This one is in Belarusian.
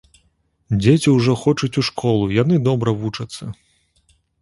Дзеці ўжо хочуць у школу, яны добра вучацца.